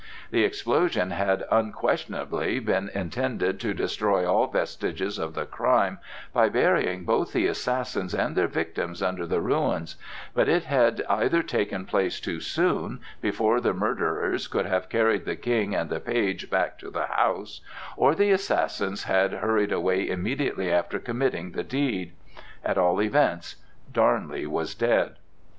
The explosion had unquestionably been intended to destroy all vestiges of the crime by burying both the assassins and their victims under the ruins, but it had either taken place too soon, before the murderers could have carried the King and the page back to the house, or the assassins had hurried away immediately after committing the deed. At all events, Darnley was dead.